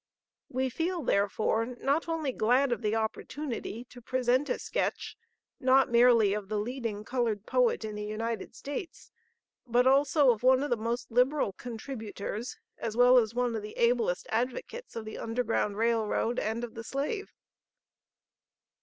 We feel, therefore, not only glad of the opportunity to present a sketch not merely of the leading colored poet in the United States, but also of one of the most liberal contributors, as well as one of the ablest advocates of the Underground Rail Road and of the slave.